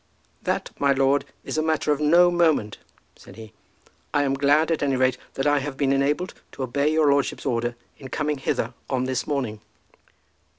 "That, my lord, is a matter of no moment," said he. "I am glad at any rate that I have been enabled to obey your lordship's order in coming hither on this morning."